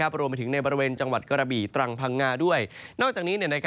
พร้อมมาถึงพระเมฆพัอแลกวงใบประส่งกสาหกประสิทธิ์